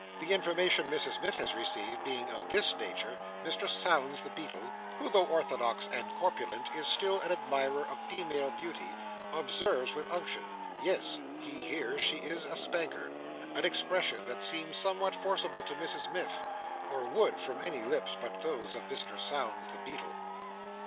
The information Mrs Miff has received, being of this nature, Mr Sownds the Beadle, who, though orthodox and corpulent, is still an admirer of female beauty, observes, with unction, yes, he hears she is a spanker—an expression that seems somewhat forcible to Mrs Miff, or would, from any lips but those of Mr Sownds the Beadle.